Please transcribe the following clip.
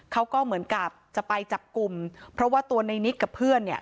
เขาก็เหมือนกับจะไปจับกลุ่มเพราะว่าตัวในนิกกับเพื่อนเนี่ย